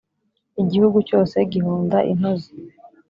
igihugu cyose gihonda intozi